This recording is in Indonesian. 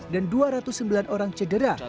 dan dua ratus sembilan orang cedera